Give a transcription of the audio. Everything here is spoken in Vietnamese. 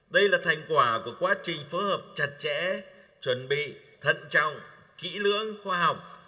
đây là thành quả của quá trình phối hợp chặt chẽ chuẩn bị thận trọng kỹ lưỡng khoa học